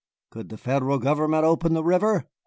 Could the Federal government open the river?